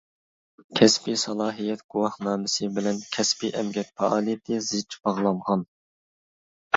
كەسپىي سالاھىيەت گۇۋاھنامىسى بىلەن كەسپىي ئەمگەك پائالىيىتى زىچ باغلانغان.